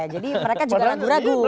jadi mereka juga ragu ragu